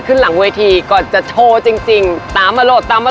ขึ้นหลังเวทีก่อนจะโชว์จริงตามมาโหลดตามมา